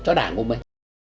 cho đảng của mình